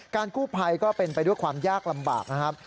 กู้ภัยก็เป็นไปด้วยความยากลำบากนะครับ